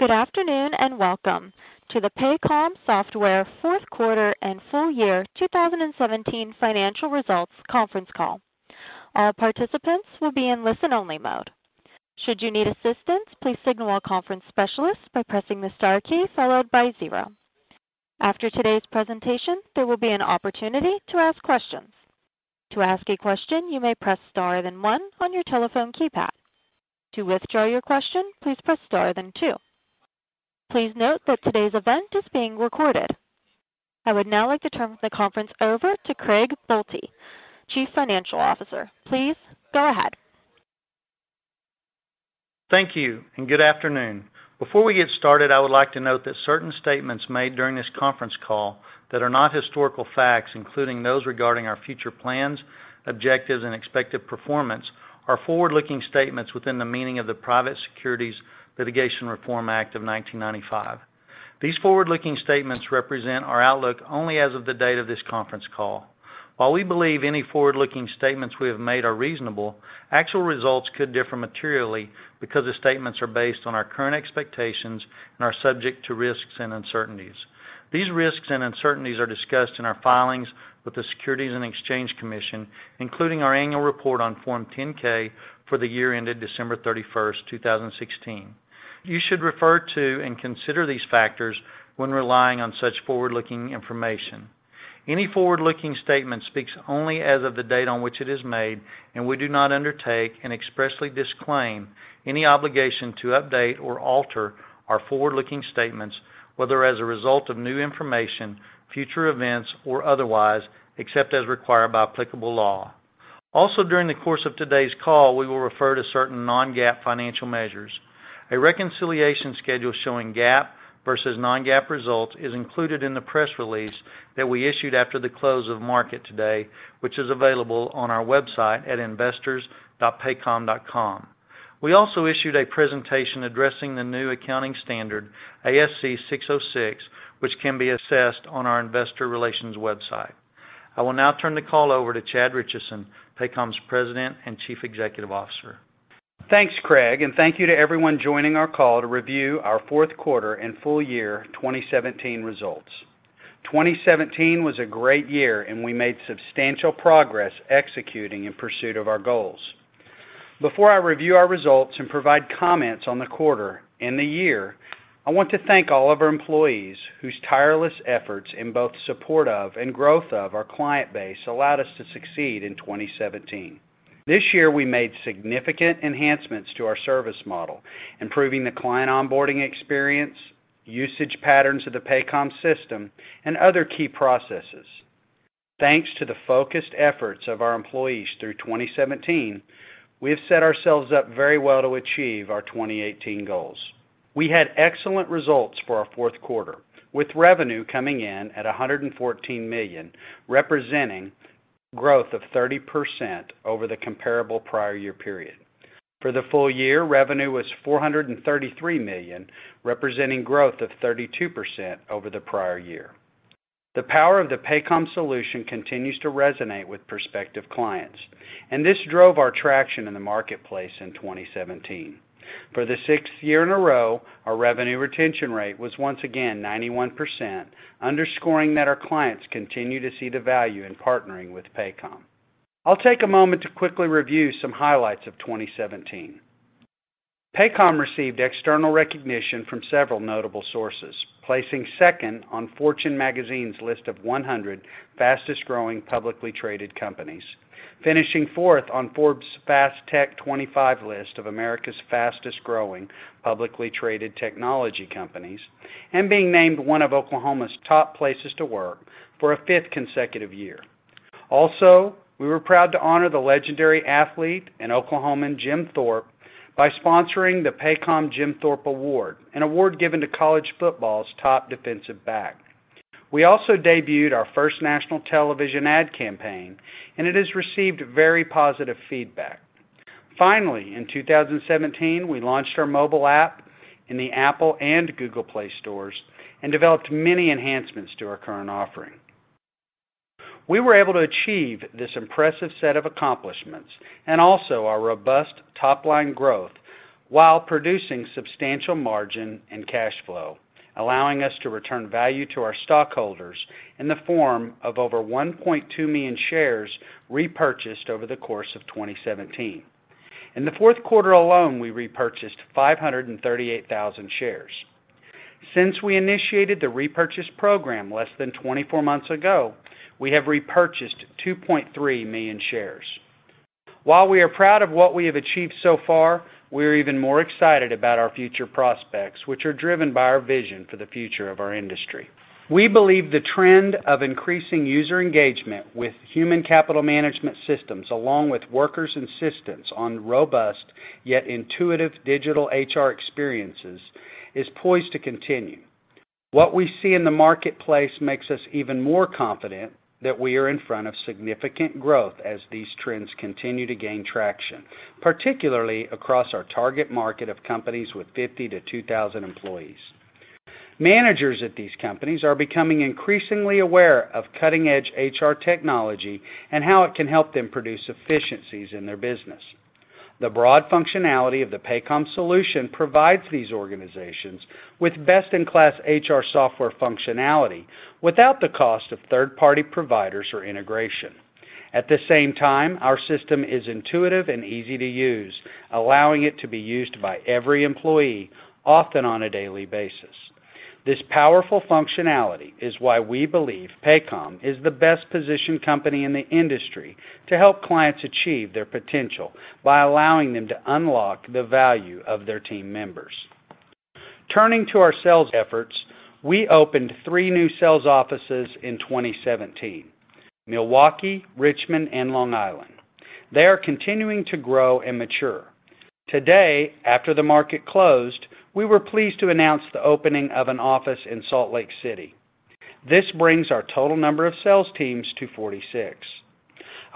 Good afternoon. Welcome to the Paycom Software fourth quarter and full year 2017 financial results conference call. All participants will be in listen-only mode. Should you need assistance, please signal a conference specialist by pressing the star key followed by 0. After today's presentation, there will be an opportunity to ask questions. To ask a question, you may press star, then 1 on your telephone keypad. To withdraw your question, please press star, then 2. Please note that today's event is being recorded. I would now like to turn the conference over to Craig Boelte, Chief Financial Officer. Please go ahead. Thank you. Good afternoon. Before we get started, I would like to note that certain statements made during this conference call that are not historical facts, including those regarding our future plans, objectives, and expected performance, are forward-looking statements within the meaning of the Private Securities Litigation Reform Act of 1995. These forward-looking statements represent our outlook only as of the date of this conference call. While we believe any forward-looking statements we have made are reasonable, actual results could differ materially because the statements are based on our current expectations and are subject to risks and uncertainties. These risks and uncertainties are discussed in our filings with the Securities and Exchange Commission, including our annual report on Form 10-K for the year ended December 31, 2016. You should refer to and consider these factors when relying on such forward-looking information. Any forward-looking statement speaks only as of the date on which it is made. We do not undertake and expressly disclaim any obligation to update or alter our forward-looking statements, whether as a result of new information, future events, or otherwise, except as required by applicable law. During the course of today's call, we will refer to certain non-GAAP financial measures. A reconciliation schedule showing GAAP versus non-GAAP results is included in the press release that we issued after the close of market today, which is available on our website at investors.paycom.com. We also issued a presentation addressing the new accounting standard, ASC 606, which can be assessed on our investor relations website. I will now turn the call over to Chad Richison, Paycom's President and Chief Executive Officer. Thanks, Craig. Thank you to everyone joining our call to review our fourth quarter and full year 2017 results. 2017 was a great year. We made substantial progress executing in pursuit of our goals. Before I review our results and provide comments on the quarter and the year, I want to thank all of our employees whose tireless efforts in both support of and growth of our client base allowed us to succeed in 2017. This year, we made significant enhancements to our service model, improving the client onboarding experience, usage patterns of the Paycom system, and other key processes. Thanks to the focused efforts of our employees through 2017, we have set ourselves up very well to achieve our 2018 goals. We had excellent results for our fourth quarter, with revenue coming in at $114 million, representing growth of 30% over the comparable prior year period. For the full year, revenue was $433 million, representing growth of 32% over the prior year. The power of the Paycom solution continues to resonate with prospective clients. This drove our traction in the marketplace in 2017. For the sixth year in a row, our revenue retention rate was once again 91%, underscoring that our clients continue to see the value in partnering with Paycom. I'll take a moment to quickly review some highlights of 2017. Paycom received external recognition from several notable sources, placing second on Fortune Magazine's list of 100 fastest-growing publicly traded companies, finishing fourth on Forbes' Fast Tech 25 list of America's fastest-growing publicly traded technology companies, being named one of Oklahoma's top places to work for a fifth consecutive year. We were proud to honor the legendary athlete and Oklahoman, Jim Thorpe, by sponsoring the Paycom Jim Thorpe Award, an award given to college football's top defensive back. We also debuted our first national television ad campaign. It has received very positive feedback. In 2017, we launched our mobile app in the Apple and Google Play stores and developed many enhancements to our current offering. We were able to achieve this impressive set of accomplishments and also our robust top-line growth while producing substantial margin and cash flow, allowing us to return value to our stockholders in the form of over 1.2 million shares repurchased over the course of 2017. In the fourth quarter alone, we repurchased 538,000 shares. Since we initiated the repurchase program less than 24 months ago, we have repurchased 2.3 million shares. While we are proud of what we have achieved so far, we are even more excited about our future prospects, which are driven by our vision for the future of our industry. We believe the trend of increasing user engagement with human capital management systems, along with workers' insistence on robust yet intuitive digital HR experiences, is poised to continue. What we see in the marketplace makes us even more confident that we are in front of significant growth as these trends continue to gain traction, particularly across our target market of companies with 50 to 2,000 employees. Managers at these companies are becoming increasingly aware of cutting-edge HR technology and how it can help them produce efficiencies in their business. The broad functionality of the Paycom solution provides these organizations with best-in-class HR software functionality without the cost of third-party providers or integration. At the same time, our system is intuitive and easy to use, allowing it to be used by every employee, often on a daily basis. This powerful functionality is why we believe Paycom is the best-positioned company in the industry to help clients achieve their potential by allowing them to unlock the value of their team members. Turning to our sales efforts, we opened three new sales offices in 2017: Milwaukee, Richmond, and Long Island. They are continuing to grow and mature. Today, after the market closed, we were pleased to announce the opening of an office in Salt Lake City. This brings our total number of sales teams to 46.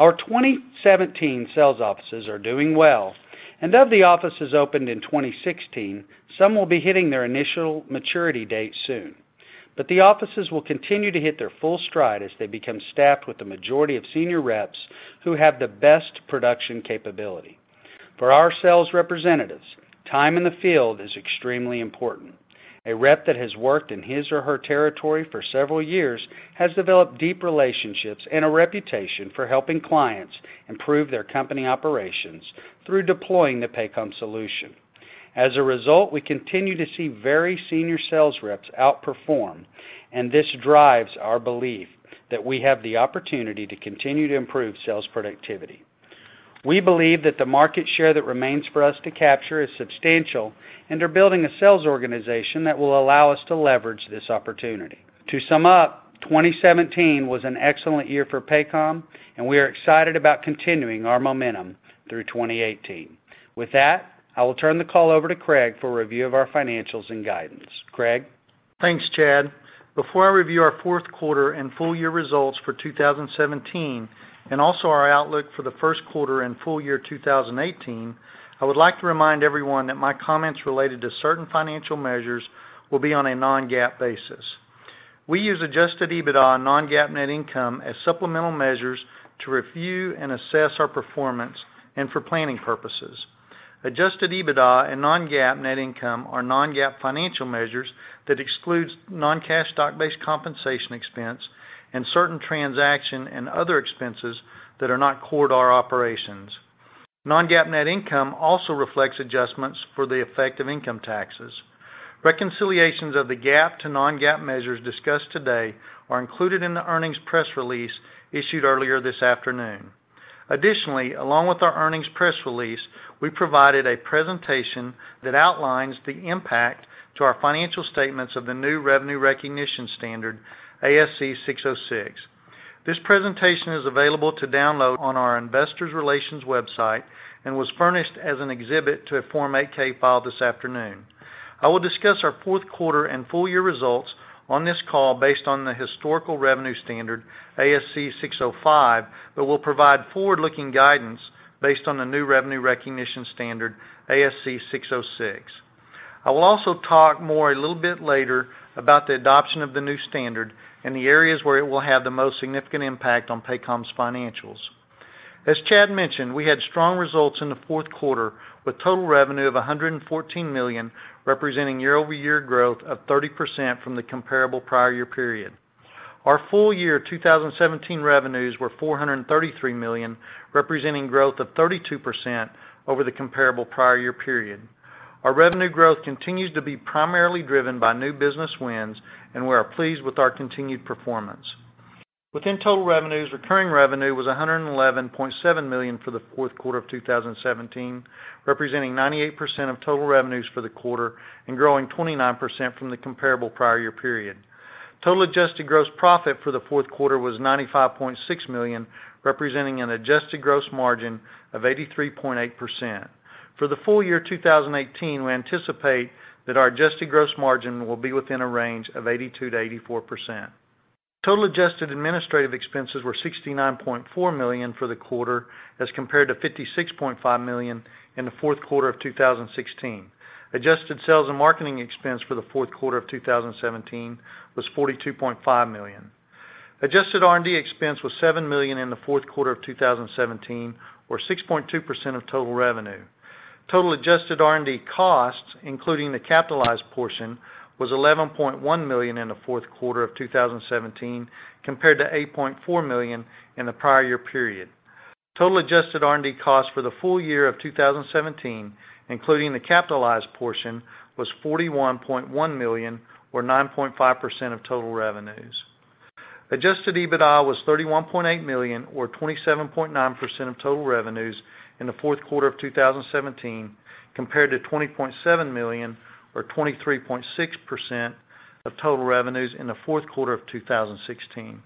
Our 2017 sales offices are doing well. Of the offices opened in 2016, some will be hitting their initial maturity date soon. The offices will continue to hit their full stride as they become staffed with the majority of senior reps who have the best production capability. For our sales representatives, time in the field is extremely important. A rep that has worked in his or her territory for several years has developed deep relationships and a reputation for helping clients improve their company operations through deploying the Paycom solution. As a result, we continue to see very senior sales reps outperform, and this drives our belief that we have the opportunity to continue to improve sales productivity. We believe that the market share that remains for us to capture is substantial and are building a sales organization that will allow us to leverage this opportunity. To sum up, 2017 was an excellent year for Paycom, and we are excited about continuing our momentum through 2018. With that, I will turn the call over to Craig for a review of our financials and guidance. Craig? Thanks, Chad. Before I review our fourth quarter and full year results for 2017 and also our outlook for the first quarter and full year 2018, I would like to remind everyone that my comments related to certain financial measures will be on a non-GAAP basis. We use adjusted EBITDA and non-GAAP net income as supplemental measures to review and assess our performance and for planning purposes. Adjusted EBITDA and non-GAAP net income are non-GAAP financial measures that excludes non-cash stock-based compensation expense and certain transaction and other expenses that are not core to our operations. Non-GAAP net income also reflects adjustments for the effect of income taxes. Reconciliations of the GAAP to non-GAAP measures discussed today are included in the earnings press release issued earlier this afternoon. Additionally, along with our earnings press release, we provided a presentation that outlines the impact to our financial statements of the new revenue recognition standard, ASC 606. This presentation is available to download on our investor relations website and was furnished as an exhibit to a Form 8-K filed this afternoon. I will discuss our fourth quarter and full year results on this call based on the historical revenue standard, ASC 605, but will provide forward-looking guidance based on the new revenue recognition standard, ASC 606. I will also talk a little bit later about the adoption of the new standard and the areas where it will have the most significant impact on Paycom's financials. As Chad mentioned, we had strong results in the fourth quarter, with total revenue of $114 million, representing year-over-year growth of 30% from the comparable prior year period. Our full year 2017 revenues were $433 million, representing growth of 32% over the comparable prior year period. Our revenue growth continues to be primarily driven by new business wins, and we are pleased with our continued performance. Within total revenues, recurring revenue was $111.7 million for the fourth quarter of 2017, representing 98% of total revenues for the quarter and growing 29% from the comparable prior year period. Total adjusted gross profit for the fourth quarter was $95.6 million, representing an adjusted gross margin of 83.8%. For the full year 2018, we anticipate that our adjusted gross margin will be within a range of 82%-84%. Total adjusted administrative expenses were $69.4 million for the quarter as compared to $56.5 million in the fourth quarter of 2016. Adjusted sales and marketing expense for the fourth quarter of 2017 was $42.5 million. Adjusted R&D expense was $7 million in the fourth quarter of 2017, or 6.2% of total revenue. Total adjusted R&D costs, including the capitalized portion, was $11.1 million in the fourth quarter of 2017, compared to $8.4 million in the prior year period. Total adjusted R&D costs for the full year of 2017, including the capitalized portion, was $41.1 million or 9.5% of total revenues. Adjusted EBITDA was $31.8 million or 27.9% of total revenues in the fourth quarter of 2017 compared to $20.7 million or 23.6% of total revenues in the fourth quarter of 2016.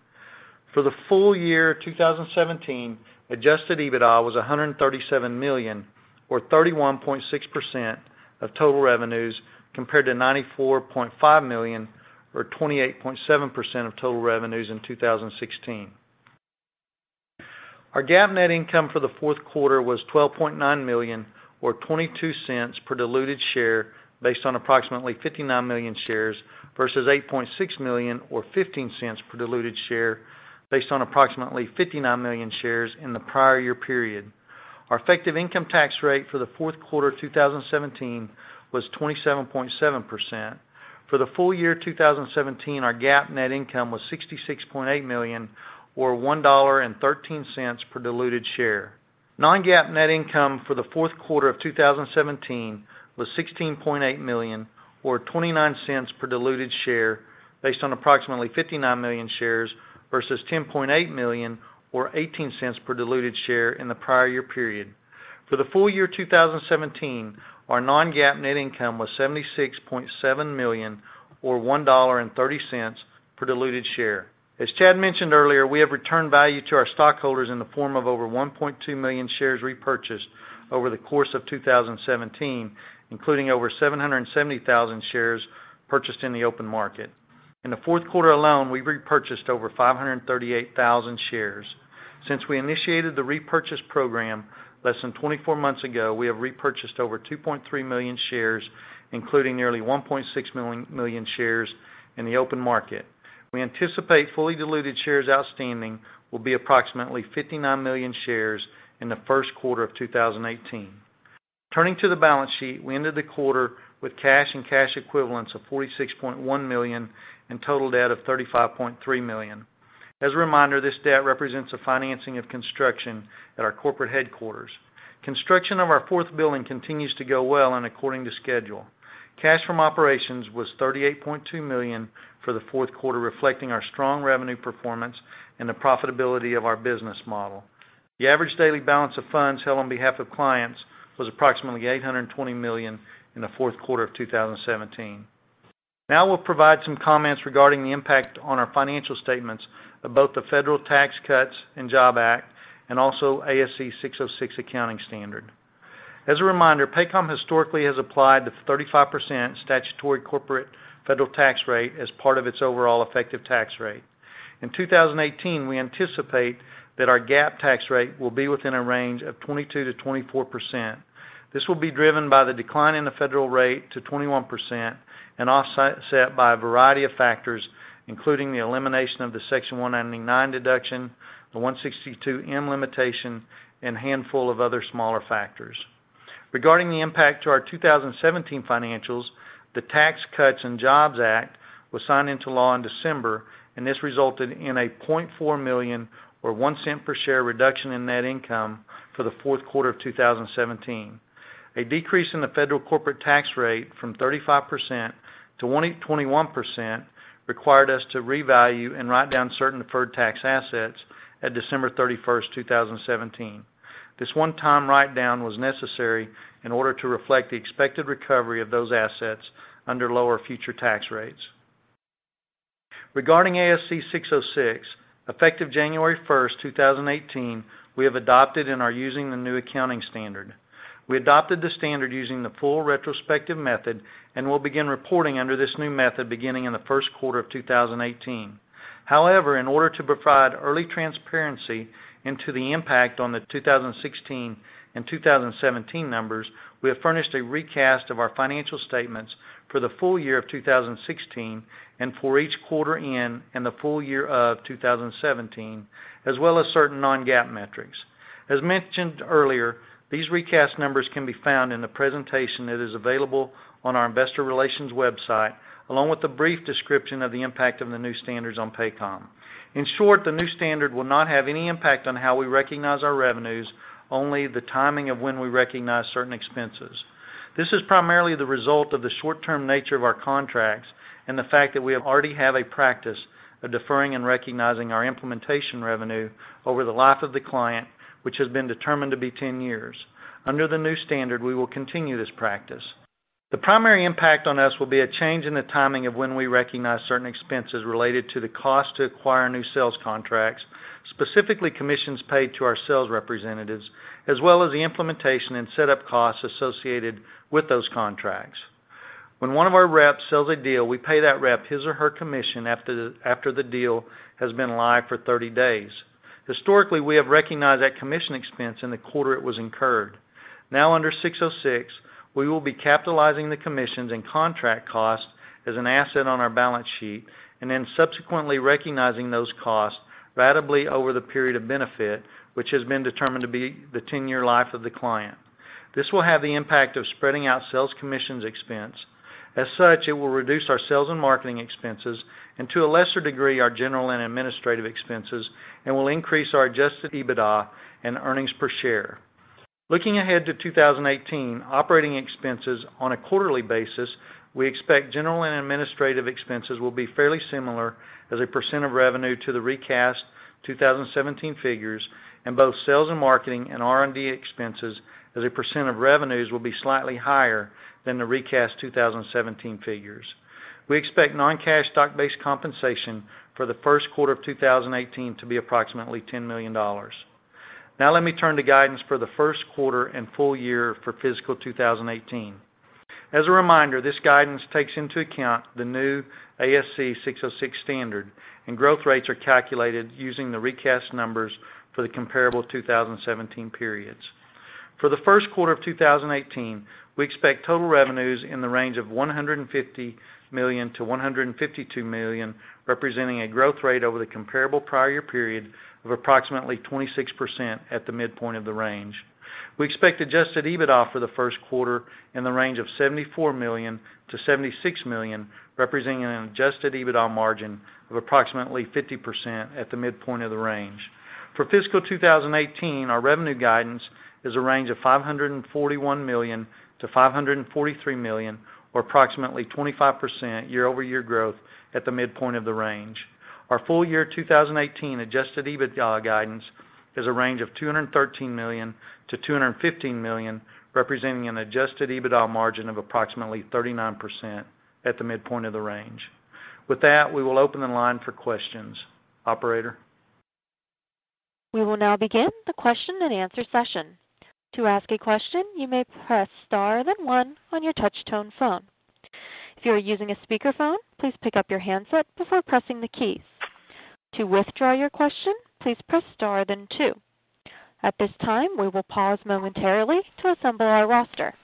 For the full year 2017, adjusted EBITDA was $137 million or 31.6% of total revenues, compared to $94.5 million or 28.7% of total revenues in 2016. Our GAAP net income for the fourth quarter was $12.9 million, or $0.22 per diluted share, based on approximately 59 million shares versus $8.6 million or $0.15 per diluted share, based on approximately 59 million shares in the prior year period. Our effective income tax rate for the fourth quarter 2017 was 27.7%. For the full year 2017, our GAAP net income was $66.8 million or $1.13 per diluted share. Non-GAAP net income for the fourth quarter of 2017 was $16.8 million or $0.29 per diluted share, based on approximately 59 million shares versus $10.8 million or $0.18 per diluted share in the prior year period. For the full year 2017, our non-GAAP net income was $76.7 million or $1.30 per diluted share. As Chad mentioned earlier, we have returned value to our stockholders in the form of over 1.2 million shares repurchased over the course of 2017, including over 770,000 shares purchased in the open market. In the fourth quarter alone, we repurchased over 538,000 shares. Since we initiated the repurchase program less than 24 months ago, we have repurchased over 2.3 million shares, including nearly 1.6 million shares in the open market. We anticipate fully diluted shares outstanding will be approximately 59 million shares in the first quarter of 2018. Turning to the balance sheet, we ended the quarter with cash and cash equivalents of $46.1 million and total debt of $35.3 million. As a reminder, this debt represents the financing of construction at our corporate headquarters. Construction of our fourth building continues to go well and according to schedule. Cash from operations was $38.2 million for the fourth quarter, reflecting our strong revenue performance and the profitability of our business model. The average daily balance of funds held on behalf of clients was approximately $820 million in the fourth quarter of 2017. We'll provide some comments regarding the impact on our financial statements of both the Tax Cuts and Jobs Act, and also ASC 606 accounting standard. As a reminder, Paycom historically has applied the 35% statutory corporate federal tax rate as part of its overall effective tax rate. In 2018, we anticipate that our GAAP tax rate will be within a range of 22%-24%. This will be driven by the decline in the federal rate to 21% and offset by a variety of factors, including the elimination of the Section 199 deduction, the 162(m) limitation, and a handful of other smaller factors. Regarding the impact to our 2017 financials, the Tax Cuts and Jobs Act was signed into law in December, and this resulted in a $0.4 million or $0.01 per share reduction in net income for the fourth quarter of 2017. A decrease in the federal corporate tax rate from 35%-21% required us to revalue and write down certain deferred tax assets at December 31, 2017. This one-time write-down was necessary in order to reflect the expected recovery of those assets under lower future tax rates. Regarding ASC 606, effective January 1, 2018, we have adopted and are using the new accounting standard. We adopted the standard using the full retrospective method and will begin reporting under this new method beginning in the first quarter of 2018. In order to provide early transparency into the impact on the 2016 and 2017 numbers, we have furnished a recast of our financial statements for the full year of 2016 and for each quarter in and the full year of 2017, as well as certain non-GAAP metrics. As mentioned earlier, these recast numbers can be found in the presentation that is available on our investor relations website, along with a brief description of the impact of the new standards on Paycom. In short, the new standard will not have any impact on how we recognize our revenues, only the timing of when we recognize certain expenses. This is primarily the result of the short-term nature of our contracts and the fact that we already have a practice of deferring and recognizing our implementation revenue over the life of the client, which has been determined to be 10 years. Under the new standard, we will continue this practice. The primary impact on us will be a change in the timing of when we recognize certain expenses related to the cost to acquire new sales contracts, specifically commissions paid to our sales representatives, as well as the implementation and setup costs associated with those contracts. When one of our reps sells a deal, we pay that rep his or her commission after the deal has been live for 30 days. Historically, we have recognized that commission expense in the quarter it was incurred. Under 606, we will be capitalizing the commissions and contract costs as an asset on our balance sheet, and then subsequently recognizing those costs ratably over the period of benefit, which has been determined to be the 10-year life of the client. This will have the impact of spreading out sales commissions expense. As such, it will reduce our sales and marketing expenses and to a lesser degree, our general and administrative expenses and will increase our adjusted EBITDA and earnings per share. Looking ahead to 2018, operating expenses on a quarterly basis, we expect general and administrative expenses will be fairly similar as a % of revenue to the recast 2017 figures and both sales and marketing and R&D expenses as a % of revenues will be slightly higher than the recast 2017 figures. We expect non-cash stock-based compensation for the first quarter of 2018 to be approximately $10 million. Let me turn to guidance for the first quarter and full year for fiscal 2018. As a reminder, this guidance takes into account the new ASC 606 standard, and growth rates are calculated using the recast numbers for the comparable 2017 periods. For the first quarter of 2018, we expect total revenues in the range of $150 million-$152 million, representing a growth rate over the comparable prior year period of approximately 26% at the midpoint of the range. We expect adjusted EBITDA for the first quarter in the range of $74 million-$76 million, representing an adjusted EBITDA margin of approximately 50% at the midpoint of the range. For fiscal 2018, our revenue guidance is a range of $541 million-$543 million, or approximately 25% year-over-year growth at the midpoint of the range. Our full year 2018 adjusted EBITDA guidance is a range of $213 million-$215 million, representing an adjusted EBITDA margin of approximately 39% at the midpoint of the range. With that, we will open the line for questions. Operator? We will now begin the question and answer session. To ask a question, you may press star, then one on your touch tone phone. If you are using a speakerphone, please pick up your handset before pressing the keys. To withdraw your question, please press star, then two. At this time, we will pause momentarily to assemble our roster.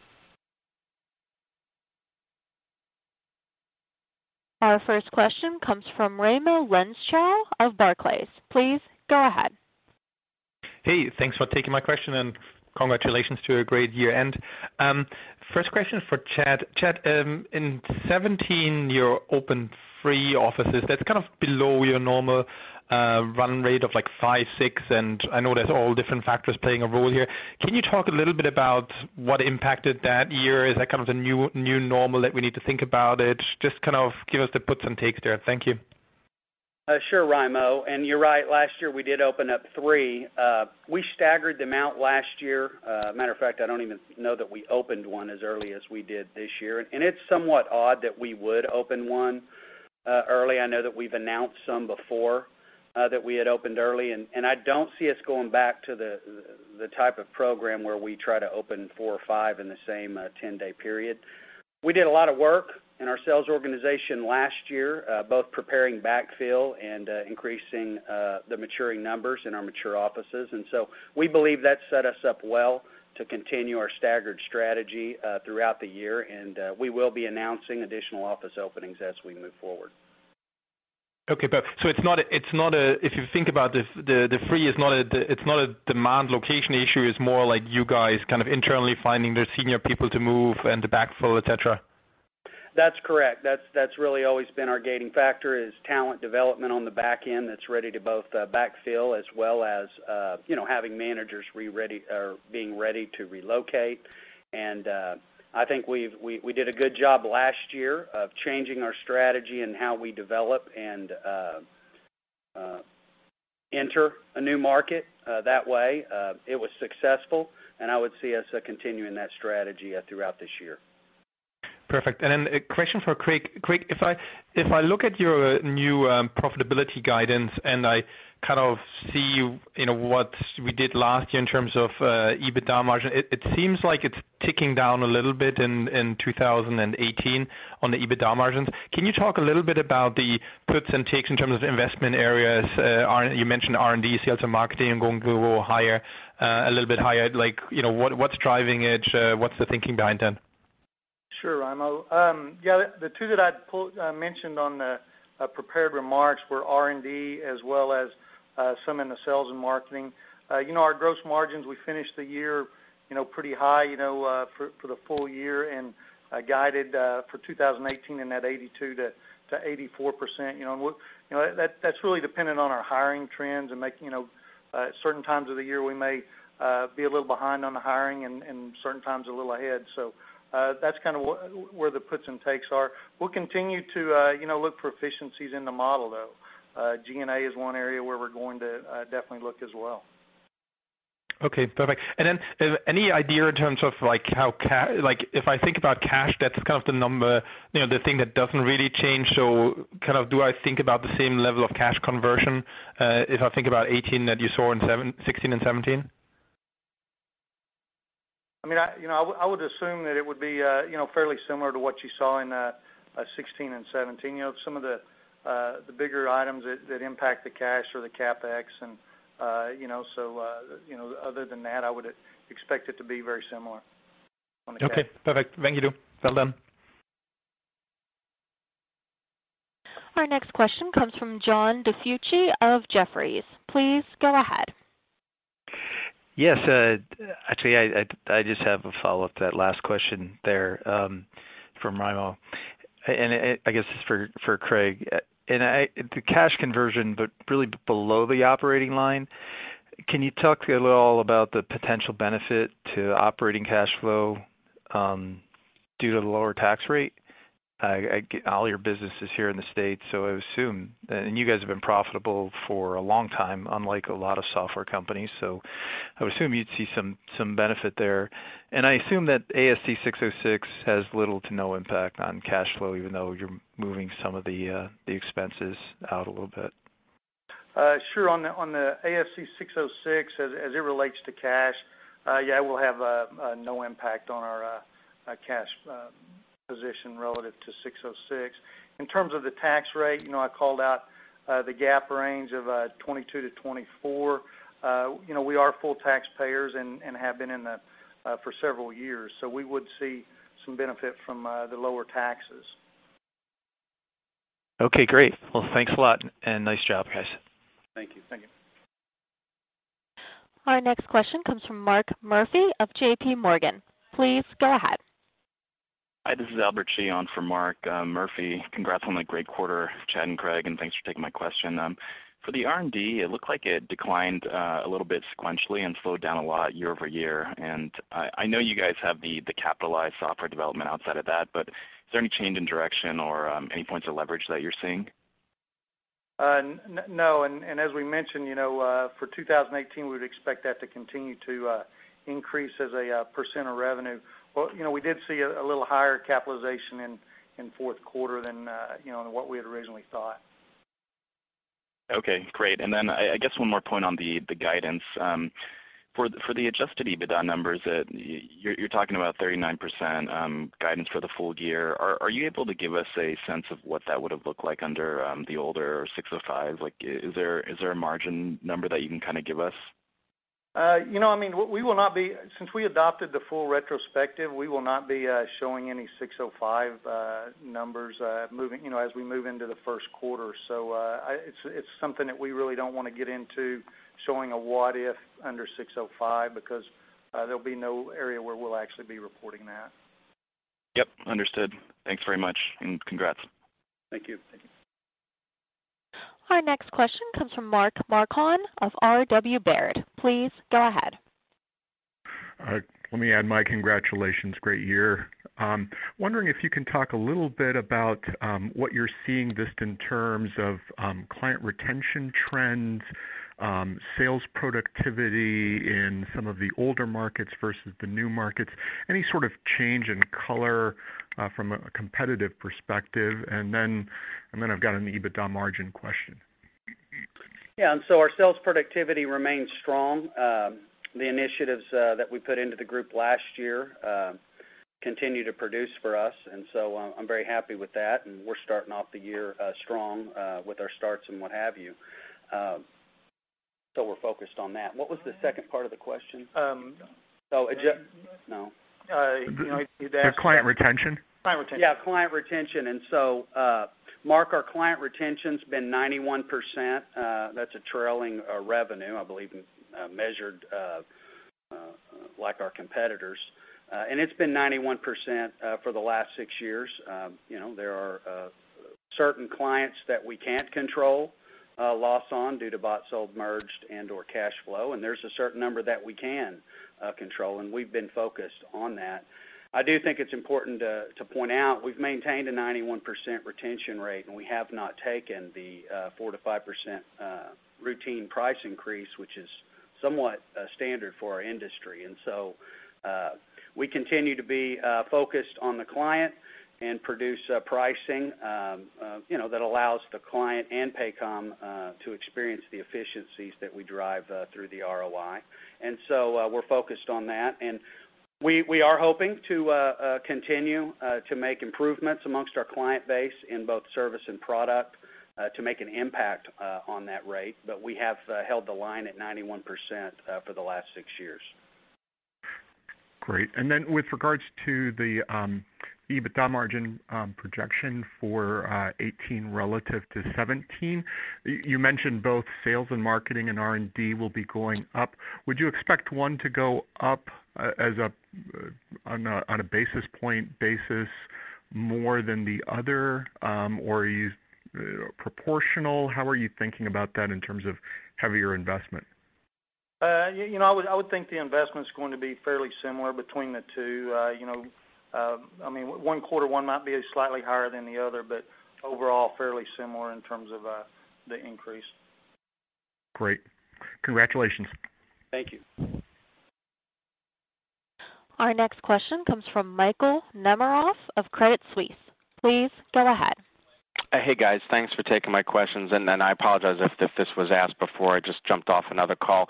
Our first question comes from Raimo Lenschow of Barclays. Please go ahead. Hey, thanks for taking my question and congratulations to a great year end. First question is for Chad. Chad, in 2017, you opened three offices. That's kind of below your normal run rate of five, six, and I know there's all different factors playing a role here. Can you talk a little bit about what impacted that year? Is that kind of the new normal that we need to think about it? Just kind of give us the puts and takes there. Thank you. Sure, Raimo. Last year we did open up three. We staggered them out last year. Matter of fact, I don't even know that we opened one as early as we did this year. It's somewhat odd that we would open one early. I know that we've announced some before that we had opened early. I don't see us going back to the type of program where we try to open four or five in the same 10-day period. We did a lot of work in our sales organization last year, both preparing backfill and increasing the maturing numbers in our mature offices. We believe that set us up well to continue our staggered strategy throughout the year. We will be announcing additional office openings as we move forward. Okay. If you think about this, the three, it's not a demand location issue, it's more like you guys kind of internally finding the senior people to move and the backfill, et cetera? That's correct. That's really always been our gating factor, is talent development on the back end that's ready to both backfill as well as having managers being ready to relocate. I think we did a good job last year of changing our strategy and how we develop and enter a new market that way. It was successful. I would see us continuing that strategy throughout this year. Perfect. Then a question for Craig. Craig, if I look at your new profitability guidance, I kind of see what we did last year in terms of EBITDA margin, it seems like it's ticking down a little bit in 2018 on the EBITDA margins. Can you talk a little bit about the puts and takes in terms of investment areas? You mentioned R&D, sales and marketing, and going a little bit higher. What's driving it? What's the thinking behind that? Sure, Raimo. The two that I mentioned on the prepared remarks were R&D as well as some in the sales and marketing. Our gross margins, we finished the year pretty high for the full year, and guided for 2018 in that 82%-84%. That's really dependent on our hiring trends and certain times of the year, we may be a little behind on the hiring and certain times a little ahead. That's kind of where the puts and takes are. We'll continue to look for efficiencies in the model, though. G&A is one area where we're going to definitely look as well. Okay, perfect. Then any idea in terms of, if I think about cash, that's kind of the thing that doesn't really change. Do I think about the same level of cash conversion, if I think about 2018 that you saw in 2016 and 2017? I would assume that it would be fairly similar to what you saw in 2016 and 2017. Some of the bigger items that impact the cash or the CapEx. Other than that, I would expect it to be very similar on the cash. Okay, perfect. Thank you. Well done. Our next question comes from John DiFucci of Jefferies. Please go ahead. Yes. Actually, I just have a follow-up to that last question there from Raimo, and I guess this is for Craig. The cash conversion, but really below the operating line, can you talk a little about the potential benefit to operating cash flow due to the lower tax rate? All your business is here in the States, and you guys have been profitable for a long time, unlike a lot of software companies. I would assume you'd see some benefit there. And I assume that ASC 606 has little to no impact on cash flow, even though you're moving some of the expenses out a little bit. Sure. On the ASC 606, as it relates to cash, yeah, we'll have no impact on our cash position relative to 606. In terms of the tax rate, I called out the GAAP range of 22%-24%. We are full taxpayers and have been for several years. We would see some benefit from the lower taxes. Okay, great. Well, thanks a lot, and nice job, guys. Thank you. Thank you. Our next question comes from Mark Murphy of JPMorgan. Please go ahead. Hi, this is Albert Chi for Mark Murphy. Congrats on the great quarter, Chad and Craig, and thanks for taking my question. For the R&D, it looked like it declined a little bit sequentially and slowed down a lot year-over-year. I know you guys have the capitalized software development outside of that, but is there any change in direction or any points of leverage that you're seeing? No, and as we mentioned, for 2018, we would expect that to continue to increase as a % of revenue. We did see a little higher capitalization in fourth quarter than what we had originally thought. Okay, great. Then I guess one more point on the guidance. For the adjusted EBITDA numbers, you're talking about 39% guidance for the full year. Are you able to give us a sense of what that would've looked like under the older 605? Is there a margin number that you can kind of give us? Since we adopted the full retrospective, we will not be showing any 605 numbers as we move into the first quarter. It's something that we really don't want to get into showing a what if under 605 because there'll be no area where we'll actually be reporting that. Yep, understood. Thanks very much, and congrats. Thank you. Thank you. Our next question comes from Mark Marcon of RW Baird. Please go ahead. Let me add my congratulations. Great year. Wondering if you can talk a little bit about what you're seeing just in terms of client retention trends, sales productivity in some of the older markets versus the new markets, any sort of change in color from a competitive perspective. Then I've got an EBITDA margin question. Yeah. Our sales productivity remains strong. The initiatives that we put into the group last year continue to produce for us. I'm very happy with that, and we're starting off the year strong with our starts and what have you. We're focused on that. What was the second part of the question? The client retention. Client retention. Yeah, client retention. Mark, our client retention's been 91%. That's a trailing revenue, I believe, measured like our competitors. It's been 91% for the last six years. There are certain clients that we can't control loss on due to bought, sold, merged, and/or cash flow, and there's a certain number that we can control, and we've been focused on that. I do think it's important to point out we've maintained a 91% retention rate, and we have not taken the 4% to 5% routine price increase, which is somewhat standard for our industry. We continue to be focused on the client and produce pricing that allows the client and Paycom to experience the efficiencies that we drive through the ROI. We're focused on that, and we are hoping to continue to make improvements amongst our client base in both service and product to make an impact on that rate. We have held the line at 91% for the last six years. Great. With regards to the EBITDA margin projection for 2018 relative to 2017, you mentioned both sales and marketing and R&D will be going up. Would you expect one to go up on a basis point basis more than the other? Or are you proportional? How are you thinking about that in terms of heavier investment? I would think the investment's going to be fairly similar between the two. One quarter, one might be slightly higher than the other, but overall, fairly similar in terms of the increase. Great. Congratulations. Thank you. Our next question comes from Michael Nemeroff of Credit Suisse. Please go ahead. Hey, guys. Thanks for taking my questions. I apologize if this was asked before. I just jumped off another call.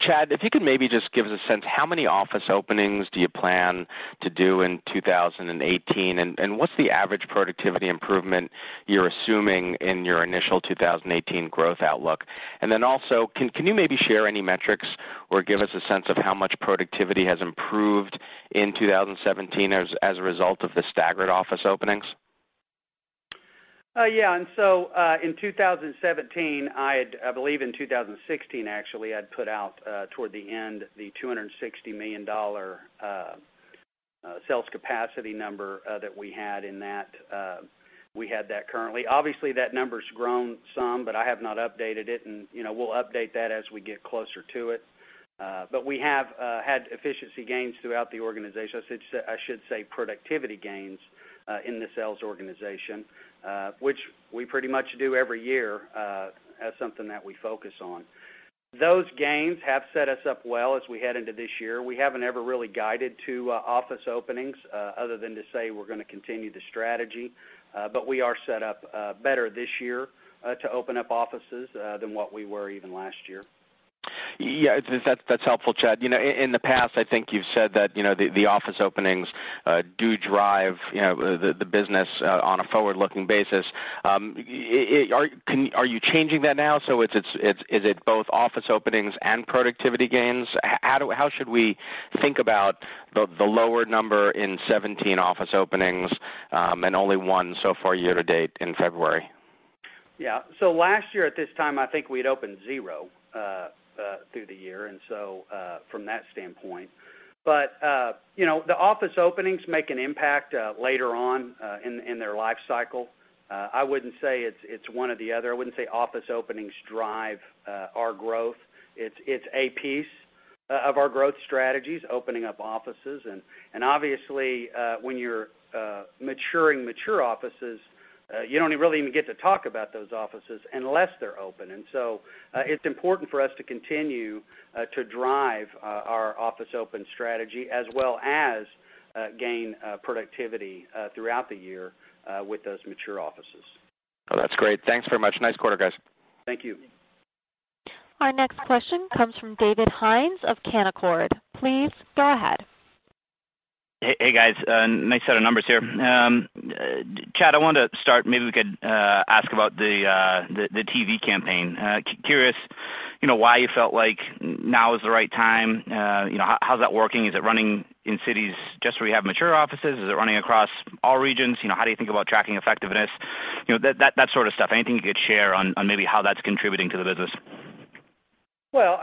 Chad, if you could maybe just give us a sense, how many office openings do you plan to do in 2018, what's the average productivity improvement you're assuming in your initial 2018 growth outlook? Also, can you maybe share any metrics or give us a sense of how much productivity has improved in 2017 as a result of the staggered office openings? Yeah. In 2017, I believe in 2016 actually, I'd put out toward the end the $260 million sales capacity number that we had in that. We had that currently. Obviously, that number's grown some. I have not updated it, we'll update that as we get closer to it. We have had efficiency gains throughout the organization. I should say productivity gains in the sales organization, which we pretty much do every year as something that we focus on. Those gains have set us up well as we head into this year. We haven't ever really guided to office openings, other than to say we're going to continue the strategy. We are set up better this year to open up offices, than what we were even last year. Yeah. That's helpful, Chad. In the past, I think you've said that the office openings do drive the business on a forward-looking basis. Are you changing that now? Is it both office openings and productivity gains? How should we think about the lower number in 17 office openings, and only one so far year to date in February? Yeah. Last year at this time, I think we had opened zero through the year. The office openings make an impact later on in their life cycle. I wouldn't say it's one or the other. I wouldn't say office openings drive our growth. It's a piece of our growth strategies, opening up offices, and obviously, when you're maturing mature offices, you don't really even get to talk about those offices unless they're open. It's important for us to continue to drive our office open strategy as well as gain productivity throughout the year with those mature offices. That's great. Thanks very much. Nice quarter, guys. Thank you. Our next question comes from David Hynes of Canaccord. Please go ahead. Hey, guys. Nice set of numbers here. Chad, I wanted to start, maybe we could ask about the TV campaign. Curious why you felt like now is the right time. How's that working? Is it running in cities just where you have mature offices? Is it running across all regions? How do you think about tracking effectiveness? That sort of stuff. Anything you could share on maybe how that's contributing to the business? Well,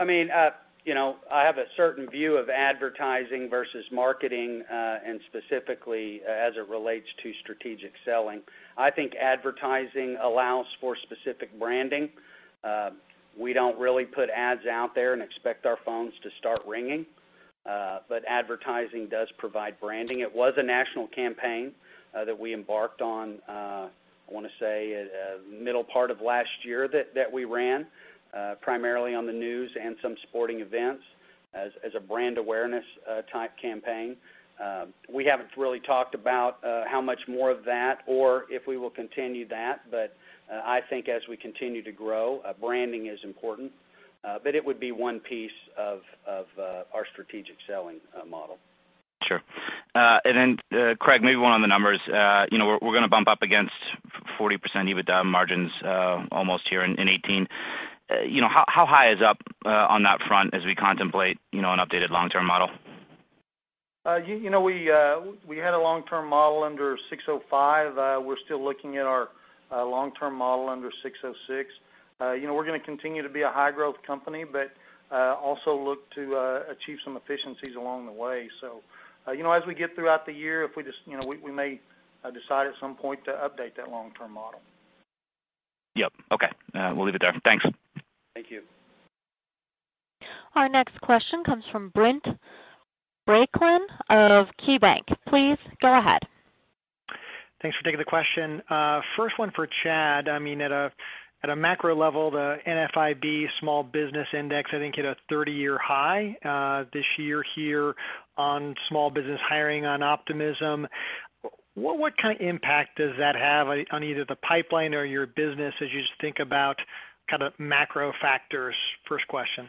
I have a certain view of advertising versus marketing, and specifically, as it relates to strategic selling. I think advertising allows for specific branding. We don't really put ads out there and expect our phones to start ringing. Advertising does provide branding. It was a national campaign that we embarked on, I want to say, middle part of last year that we ran, primarily on the news and some sporting events as a brand awareness type campaign. We haven't really talked about how much more of that or if we will continue that, but I think as we continue to grow, branding is important. It would be one piece of our strategic selling model. Sure. Craig, maybe one on the numbers. We're going to bump up against 40% EBITDA margins almost here in 2018. How high is up on that front as we contemplate an updated long-term model? We had a long-term model under 605. We're still looking at our long-term model under 606. We're going to continue to be a high-growth company, but also look to achieve some efficiencies along the way. As we get throughout the year, we may decide at some point to update that long-term model. Yep. Okay. We'll leave it there. Thanks. Thank you. Our next question comes from Brent Bracelin of KeyBanc Capital Markets. Please go ahead. Thanks for taking the question. First one for Chad. At a macro level, the NFIB Small Business Optimism Index, I think, hit a 30-year high this year here on small business hiring on optimism. What kind of impact does that have on either the pipeline or your business as you just think about macro factors? First question.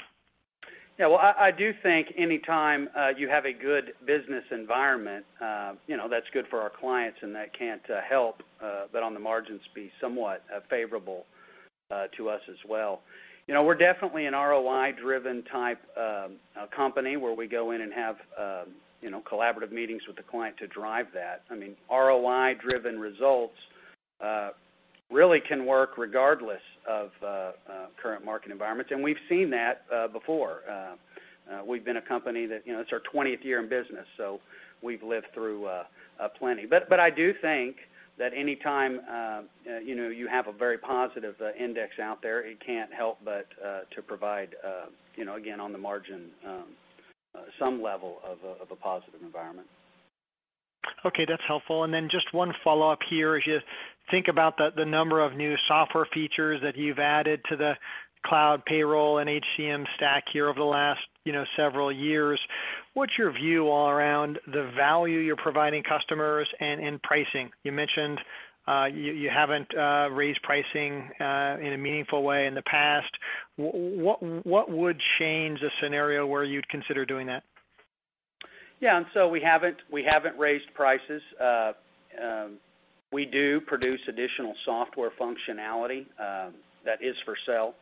Yeah. Well, I do think any time you have a good business environment, that's good for our clients, and that can't help but on the margins be somewhat favorable to us as well. We're definitely an ROI-driven type of company, where we go in and have collaborative meetings with the client to drive that. ROI-driven results really can work regardless of current market environments, and we've seen that before. It's our 20th year in business, so we've lived through plenty. I do think that any time you have a very positive index out there, it can't help but to provide, again, on the margin, some level of a positive environment. Okay, that's helpful. Just one follow-up here. As you think about the number of new software features that you've added to the cloud payroll and HCM stack here over the last several years, what's your view all around the value you're providing customers and in pricing? You mentioned you haven't raised pricing in a meaningful way in the past. What would change a scenario where you'd consider doing that? Yeah. We haven't raised prices. We do produce additional software functionality that is for sale.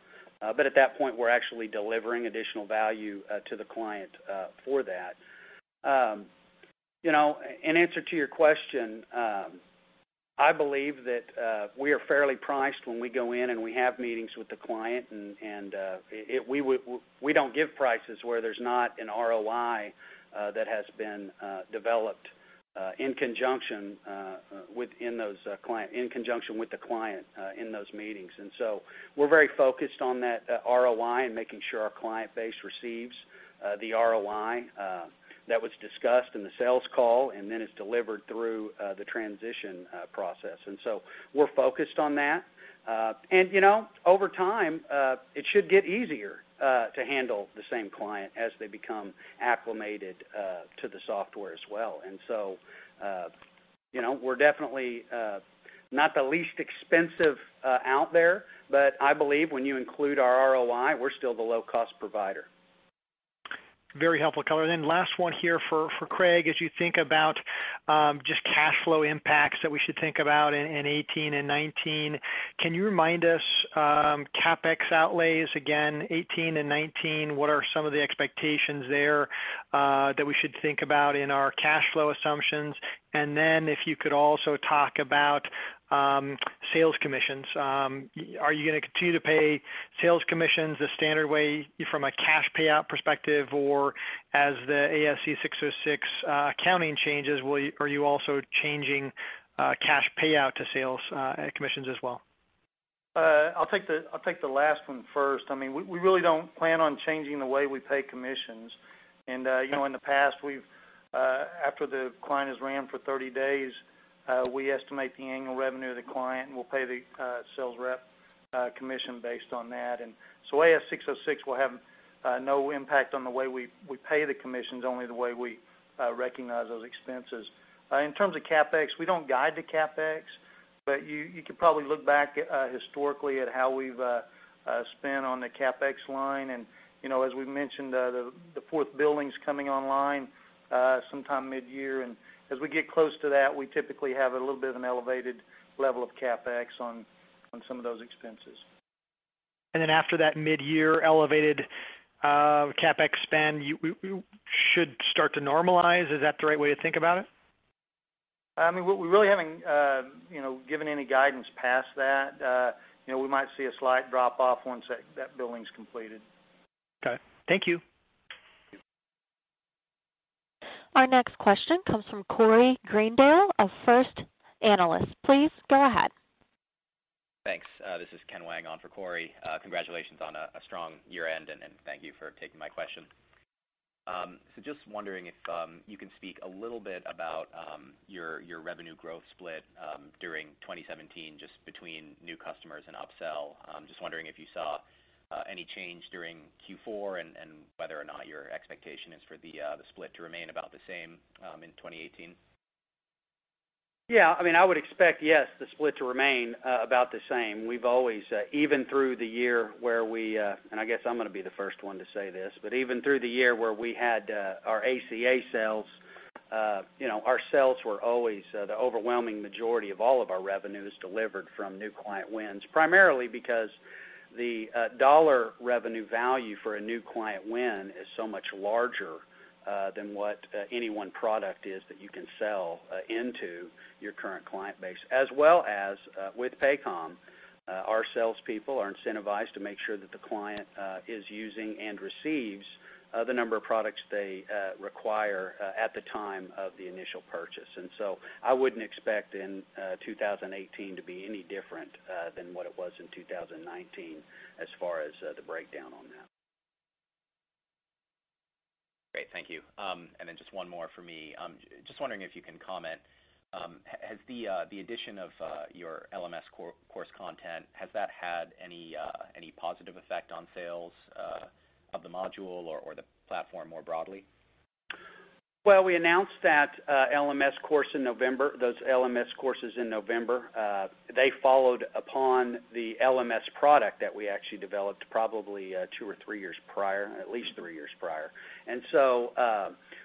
At that point, we're actually delivering additional value to the client for that. In answer to your question, I believe that we are fairly priced when we go in and we have meetings with the client. We don't give prices where there's not an ROI that has been developed in conjunction with the client in those meetings. We're very focused on that ROI and making sure our client base receives The ROI that was discussed in the sales call, and then it's delivered through the transition process. We're focused on that. Over time, it should get easier to handle the same client as they become acclimated to the software as well. We're definitely not the least expensive out there, but I believe when you include our ROI, we're still the low-cost provider. Very helpful, (Cullen). Last one here for Craig. As you think about just cash flow impacts that we should think about in 2018 and 2019, can you remind us, CapEx outlays again 2018 and 2019, what are some of the expectations there that we should think about in our cash flow assumptions? If you could also talk about sales commissions. Are you going to continue to pay sales commissions the standard way from a cash payout perspective, or as the ASC 606 accounting changes, are you also changing cash payout to sales commissions as well? I'll take the last one first. We really don't plan on changing the way we pay commissions. In the past, after the client has ran for 30 days, we estimate the annual revenue of the client, and we'll pay the sales rep commission based on that. ASC 606 will have no impact on the way we pay the commissions, only the way we recognize those expenses. In terms of CapEx, we don't guide to CapEx, but you could probably look back historically at how we've spent on the CapEx line. As we've mentioned, the fourth building's coming online sometime mid-year, and as we get close to that, we typically have a little bit of an elevated level of CapEx on some of those expenses. After that mid-year elevated CapEx spend, you should start to normalize. Is that the right way to think about it? We really haven't given any guidance past that. We might see a slight drop off once that building's completed. Okay. Thank you. Our next question comes from Corey Greendale of First Analysis. Please go ahead. Thanks. This is Ken Wang on for Corey. Congratulations on a strong year-end, thank you for taking my question. Just wondering if you can speak a little bit about your revenue growth split during 2017, just between new customers and upsell. I'm just wondering if you saw any change during Q4 and whether or not your expectation is for the split to remain about the same in 2018. I would expect, yes, the split to remain about the same. We've always, even through the year where we had our ACA sales, our sales were always the overwhelming majority of all of our revenues delivered from new client wins, primarily because the dollar revenue value for a new client win is so much larger than what any one product is that you can sell into your current client base. As well as with Paycom, our salespeople are incentivized to make sure that the client is using and receives the number of products they require at the time of the initial purchase. I wouldn't expect in 2018 to be any different than what it was in 2019 as far as the breakdown on that. Great. Thank you. Just one more for me. Just wondering if you can comment, has the addition of your LMS course content, has that had any positive effect on sales of the module or the platform more broadly? Well, we announced those LMS courses in November. They followed upon the LMS product that we actually developed probably two or three years prior, at least three years prior.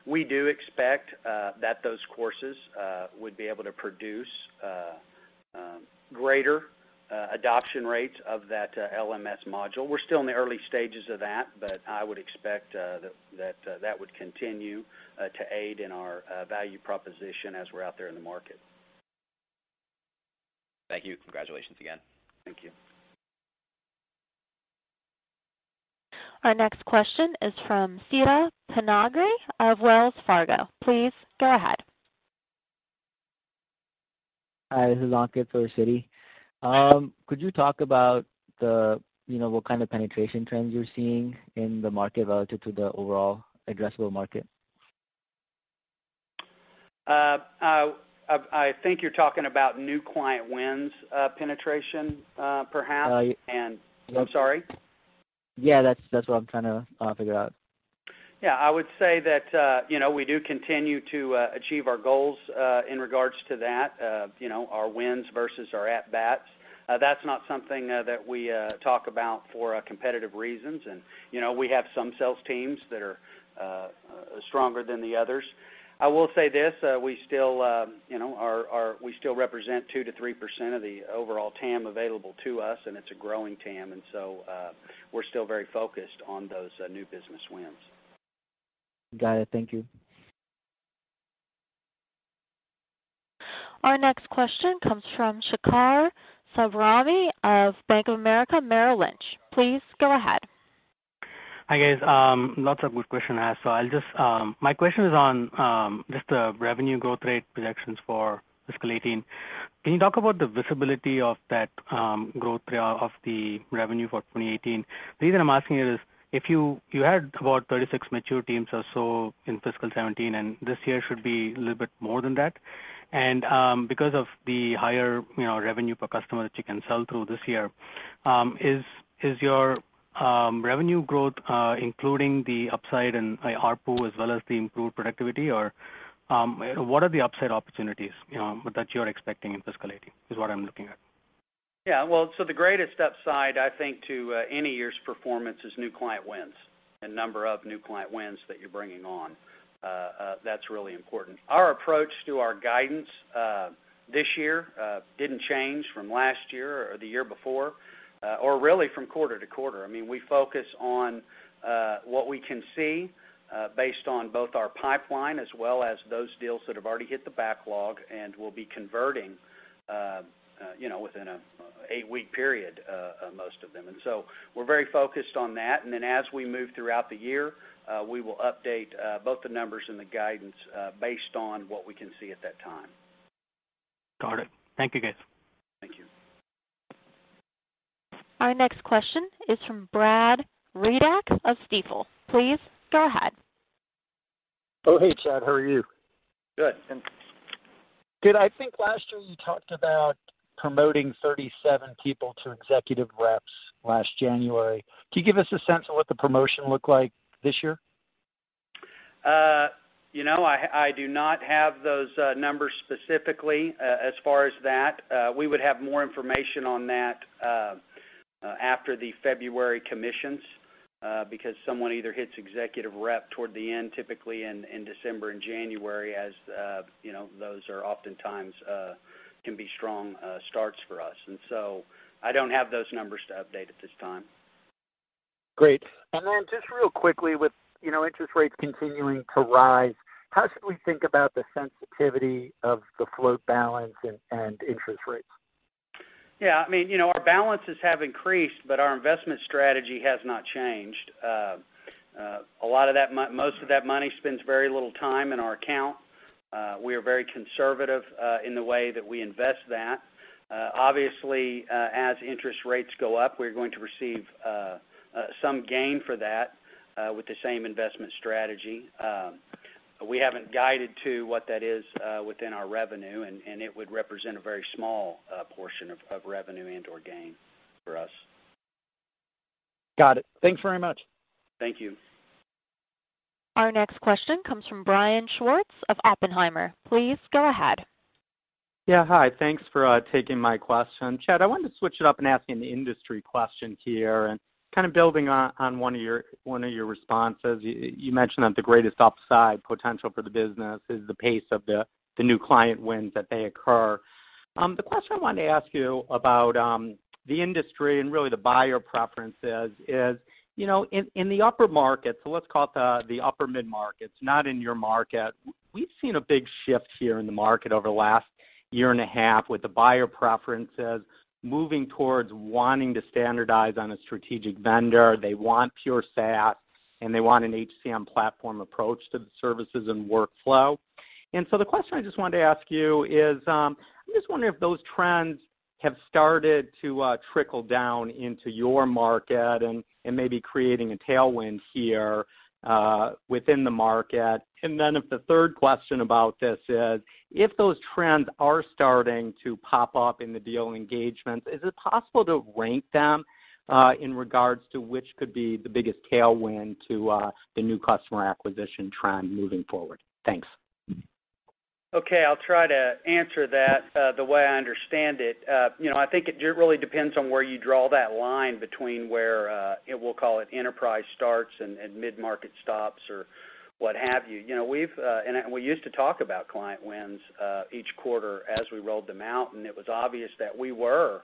We do expect that those courses would be able to produce greater adoption rates of that LMS module. We're still in the early stages of that, but I would expect that that would continue to aid in our value proposition as we're out there in the market. Thank you. Congratulations again. Thank you. Our next question is from Siti Panigrahi of Wells Fargo. Please go ahead. Hi, this is Ankit for Citi. Could you talk about what kind of penetration trends you're seeing in the market relative to the overall addressable market? I think you're talking about new client wins penetration, perhaps. Uh, y- I'm sorry? Yeah, that's what I'm trying to figure out. Yeah, I would say that we do continue to achieve our goals in regards to that, our wins versus our at bats. That's not something that we talk about for competitive reasons. We have some sales teams that are stronger than the others. I will say this, we still represent 2%-3% of the overall TAM available to us, it's a growing TAM, we're still very focused on those new business wins. Got it. Thank you. Our next question comes from Shekhar Savravi of Bank of America Merrill Lynch. Please go ahead. Hi, guys. Lots of good question asked. My question is on just the revenue growth rate projections for fiscal 2018. Can you talk about the visibility of that growth rate of the revenue for 2018? The reason I'm asking is, you had about 36 mature teams or so in fiscal 2017, and this year should be a little bit more than that. Because of the higher revenue per customer that you can sell through this year, is your revenue growth including the upside in ARPU as well as the improved productivity? Or what are the upside opportunities that you're expecting in fiscal 2018, is what I'm looking at. Yeah. Well, the greatest upside, I think, to any year's performance is new client wins, and number of new client wins that you're bringing on. That's really important. Our approach to our guidance this year didn't change from last year or the year before, or really from quarter to quarter. We focus on what we can see based on both our pipeline as well as those deals that have already hit the backlog and will be converting within an eight-week period, most of them. We're very focused on that, and then as we move throughout the year, we will update both the numbers and the guidance based on what we can see at that time. Got it. Thank you, guys. Thank you. Our next question is from Brad Reback of Stifel. Please go ahead. Oh, hey, Chad. How are you? Good. Good. I think last year you talked about promoting 37 people to executive reps last January. Can you give us a sense of what the promotion looked like this year? I do not have those numbers specifically as far as that. We would have more information on that after the February commissions, because someone either hits executive rep toward the end, typically in December and January, as those oftentimes can be strong starts for us. I don't have those numbers to update at this time. Great. Just real quickly, with interest rates continuing to rise, how should we think about the sensitivity of the float balance and interest rates? Yeah. Our balances have increased, but our investment strategy has not changed. Most of that money spends very little time in our account. We are very conservative in the way that we invest that. Obviously, as interest rates go up, we're going to receive some gain for that with the same investment strategy. We haven't guided to what that is within our revenue, and it would represent a very small portion of revenue and/or gain for us. Got it. Thanks very much. Thank you. Our next question comes from Brian Schwartz of Oppenheimer. Please go ahead. Yeah. Hi. Thanks for taking my question. Chad, I wanted to switch it up and ask an industry question here, and kind of building on one of your responses, you mentioned that the greatest upside potential for the business is the pace of the new client wins, that they occur. The question I wanted to ask you about the industry and really the buyer preferences is, in the upper markets, so let's call it the upper mid-markets, not in your market, we've seen a big shift here in the market over the last year and a half with the buyer preferences moving towards wanting to standardize on a strategic vendor. They want pure SaaS, and they want an HCM platform approach to the services and workflow. The question I just wanted to ask you is, I'm just wondering if those trends have started to trickle down into your market and may be creating a tailwind here within the market. The third question about this is, if those trends are starting to pop up in the deal engagements, is it possible to rank them in regards to which could be the biggest tailwind to the new customer acquisition trend moving forward? Thanks. Okay, I'll try to answer that the way I understand it. I think it really depends on where you draw that line between where, we'll call it enterprise starts and mid-market stops or what have you. We used to talk about client wins each quarter as we rolled them out, it was obvious that we were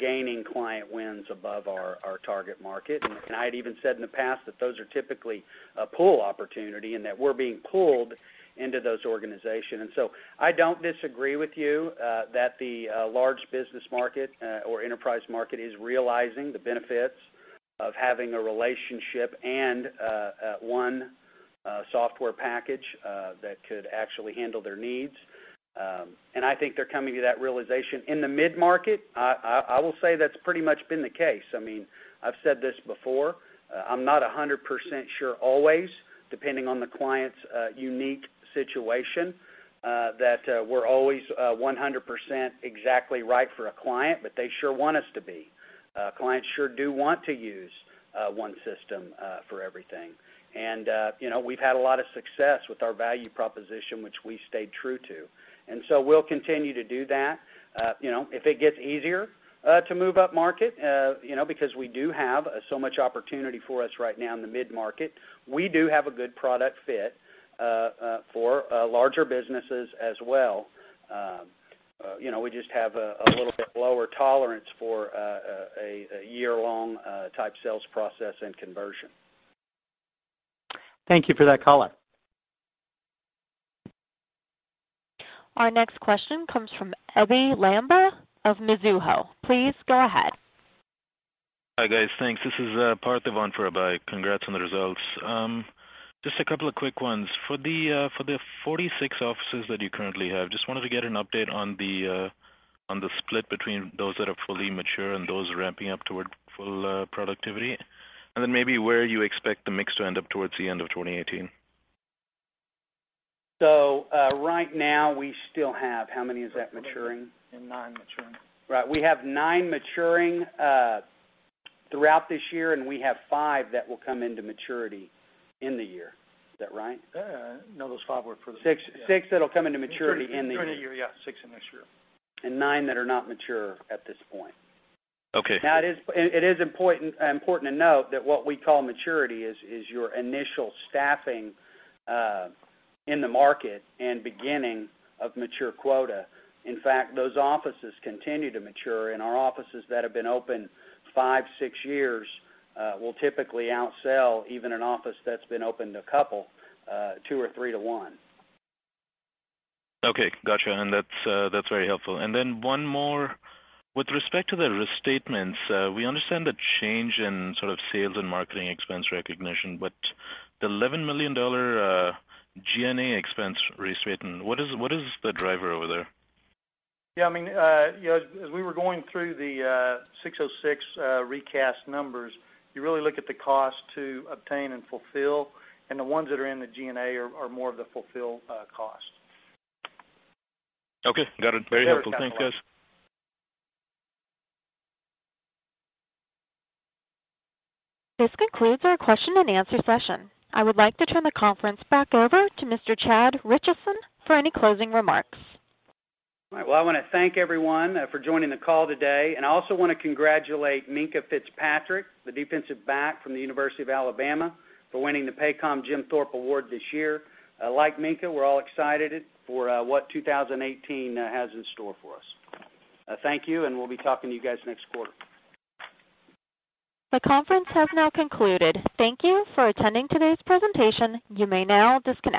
gaining client wins above our target market. I had even said in the past that those are typically a pull opportunity, that we're being pulled into those organizations. I don't disagree with you that the large business market or enterprise market is realizing the benefits of having a relationship and one software package that could actually handle their needs. I think they're coming to that realization. In the mid-market, I will say that's pretty much been the case. I've said this before, I'm not 100% sure always, depending on the client's unique situation, that we're always 100% exactly right for a client, but they sure want us to be. Clients sure do want to use one system for everything. We've had a lot of success with our value proposition, which we stayed true to. We'll continue to do that. If it gets easier to move up market, because we do have so much opportunity for us right now in the mid-market, we do have a good product fit for larger businesses as well. We just have a little bit lower tolerance for a year-long type sales process and conversion. Thank you for that color. Our next question comes from Ebi Lambert of Mizuho. Please go ahead. Hi, guys. Thanks. This is Parth Vanfara. Congrats on the results. Just a couple of quick ones. For the 46 offices that you currently have, just wanted to get an update on the split between those that are fully mature and those ramping up toward full productivity, and then maybe where you expect the mix to end up towards the end of 2018. Right now we still have, how many is that maturing? Nine maturing. Right. We have nine maturing throughout this year, and we have five that will come into maturity in the year. Is that right? No, those five were for the. Six that'll come into maturity in the year. During the year, yeah. Six in next year. Nine that are not mature at this point. Okay. It is important to note that what we call maturity is your initial staffing in the market and beginning of mature quota. In fact, those offices continue to mature, and our offices that have been open five, six years will typically outsell even an office that's been open a couple, 2 or 3 to 1. Got you. That's very helpful. Then one more. With respect to the restatements, we understand the change in sort of sales and marketing expense recognition, but the $11 million G&A expense restatement, what is the driver over there? As we were going through the 606 recast numbers, you really look at the cost to obtain and fulfill, and the ones that are in the G&A are more of the fulfill cost. Okay. Got it. Very helpful. Thanks, guys. This concludes our question and answer session. I would like to turn the conference back over to Mr. Chad Richison for any closing remarks. All right. Well, I want to thank everyone for joining the call today, and I also want to congratulate Minkah Fitzpatrick, the defensive back from the University of Alabama, for winning the Paycom Jim Thorpe Award this year. Like Minkah, we're all excited for what 2018 has in store for us. Thank you, and we'll be talking to you guys next quarter. The conference has now concluded. Thank you for attending today's presentation. You may now disconnect.